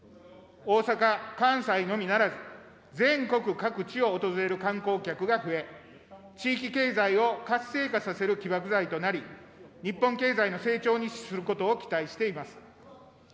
大阪・関西のみならず、全国各地を訪れる観光客が増え、地域経済を活性化させる起爆剤となり、日本経済の成長に資することを期待しています。